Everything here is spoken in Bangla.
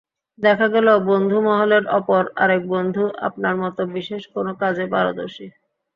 দেখা গেল, বন্ধুমহলের অপর আরেক বন্ধু আপনার মতো বিশেষ কোনো কাজে পারদর্শী।